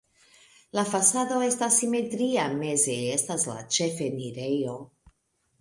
La fasado estas simetria, meze estas la ĉefenirejo.